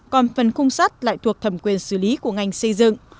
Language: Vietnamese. còn phần khung sắt lại thuộc thẩm quyền xử lý của ngành xây dựng